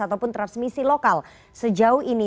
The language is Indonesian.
ataupun transmisi lokal sejauh ini